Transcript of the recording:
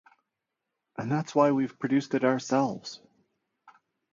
And that's why we've produced it ourselves.